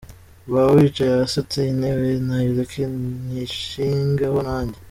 Waba wicaye hasi uti intebe nayireke Nyishingeho nanjye".